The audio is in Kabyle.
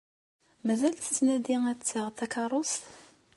Mazal tettnadi ad d-tseɣ takeṛṛust?